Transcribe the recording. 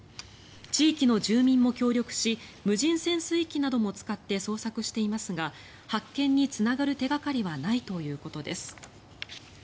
地域の住民も協力し無人潜水機なども使って捜索していますが発見につながる手掛かりはないということです。